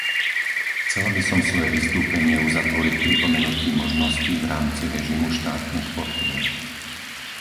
Chcela by som svoje vystúpenie uzatvoriť pripomenutím možností v rámci režimu štátnych podpôr.